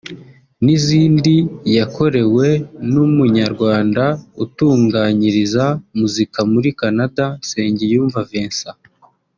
n’izindi yakorewe n’umunyarwanda utunganyiriza muzika muri Canada ‘Nsengiyumva Vincent’